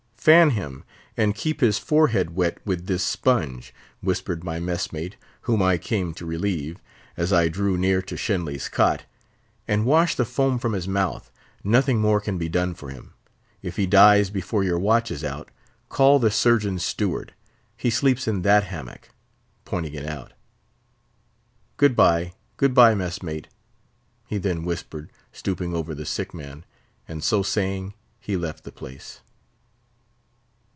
"Fan him, and keep his forehead wet with this sponge," whispered my mess mate, whom I came to relieve, as I drew near to Shenly's cot, "and wash the foam from his mouth; nothing more can be done for him. If he dies before your watch is out, call the Surgeon's steward; he sleeps in that hammock," pointing it out. "Good bye, good bye, mess mate," he then whispered, stooping over the sick man; and so saying, he left the place.